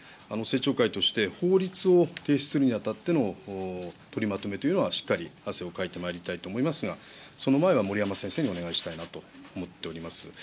政調会として、法律を提出するにあたっての取りまとめというのは、しっかり汗をかいてまいりたいと思いますが、その前は森山先生にお願いしたいなと思っております。